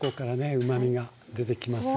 うまみが出てきますが。